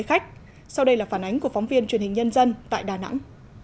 khách sau đây là phản ánh của phóng viên truyền hình nhân dân tại đà nẵng